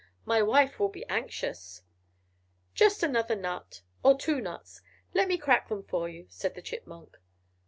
My wife will be anxious!" "Just another nut or two nuts; let me crack them for you," said the Chipmunk.